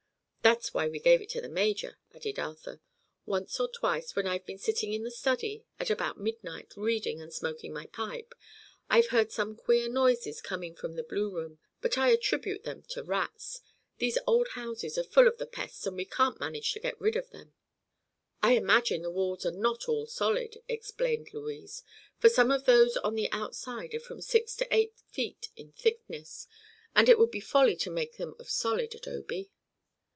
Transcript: "That's why we gave it to the major," added Arthur. "Once or twice, when I've been sitting in the study, at about midnight, reading and smoking my pipe, I've heard some queer noises coming from the blue room; but I attribute them to rats. These old houses are full of the pests and we can't manage to get rid of them." "I imagine the walls are not all solid," explained Louise, "for some of those on the outside are from six to eight feet in thickness, and it would be folly to make them of solid adobe."